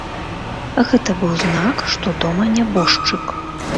Гэта быў знак, што дома нябожчык.